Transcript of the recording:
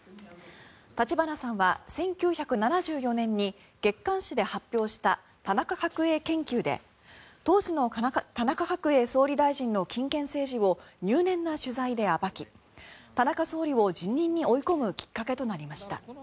立花さんは１９７４年に月刊誌で発表した「田中角栄研究」で当時の田中角栄総理大臣の金権政治を入念な取材で暴き田中総理を辞任に追い込むきっかけとなりました。